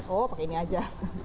oh pakai ini aja